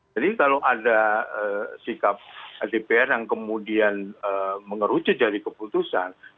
jadi kalau ada sikap dpr yang kemudian mengerucut jadi keputusan